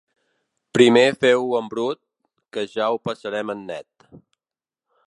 Primer feu-ho en brut, que ja ho passarem en net.